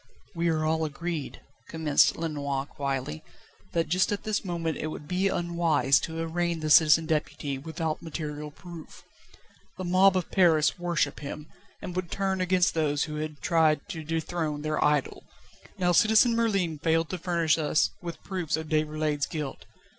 "We are all agreed," commenced Lenoir quietly, "that just at this moment it would be unwise to arraign the Citizen Deputy without material proof. The mob of Paris worship him, and would turn against those who had tried to dethrone their idol. Now, Citizen Merlin failed to furnish us with proofs of Déroulède's guilt.